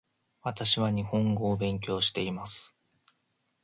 私は日本語を勉強しています